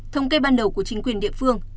thông cây ban đầu của chính quyền địa phương